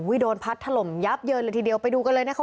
โดนพัดถล่มยับเยินเลยทีเดียวไปดูกันเลยนะคะ